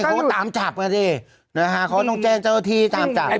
เขาก็ตามจับกันสินะฮะเขาต้องแจ้งเจ้าที่ตามจับ